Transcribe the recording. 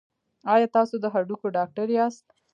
ایا تاسو د هډوکو ډاکټر یاست؟